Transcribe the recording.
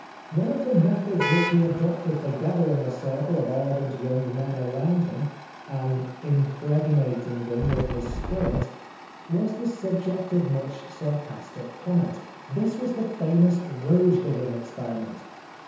One of the methods which he adopted for gathering a circle of ardent young men around him, and impregnating them with his spirit, was the subject of much sarcastic comment. This was the famous road digging experiment.